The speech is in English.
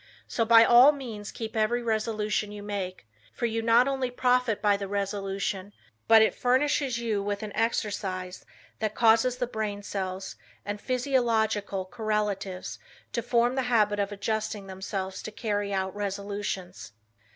So by all means keep every resolution you make, for you not only profit by the resolution, but it furnishes you with an exercise that causes the brain cells and physiological correlatives to form the habit of adjusting themselves to carry out resolutions.